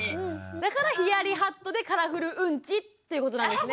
だから「ヒヤリハットでカラフルうんち」っていうことなんですね。